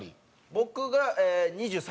僕が２３。